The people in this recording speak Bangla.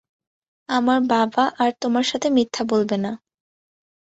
আমার বাবা আর তোমার সাথে মিথ্যা বলবে না।